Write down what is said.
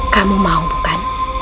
kamu mau bukan